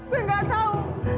gue gak tahu